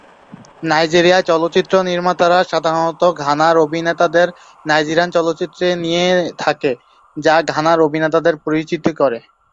নাইজেরিয় চলচ্চিত্র নির্মাতারা সাধারণত ঘানার অভিনেতাদের নাইজেরিয়ার চলচ্চিত্রে নিয়ে থাকে যা ঘানার অভিনেতাদের পরিচিত করে।